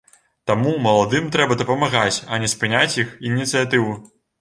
Таму маладым трэба дапамагаць, а не спыняць іх ініцыятыву.